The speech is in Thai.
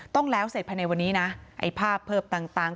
ต้องแล้วเสร็จภายในวันนี้นะไอ้ภาพเพิ่มต่าง